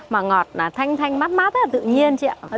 mà ngọt là thanh thanh mát mát rất là tự nhiên chị ạ